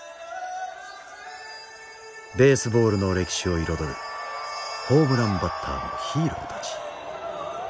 ベースボールの歴史を彩るホームランバッターのヒーローたち。